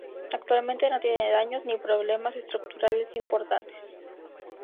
Actualmente no tiene daños ni problemas estructurales importantes.